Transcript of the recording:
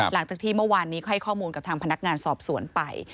หลังจากที่เมื่อวานนี้ให้ข้อมูลกับทางพนักงานสอบสวนไป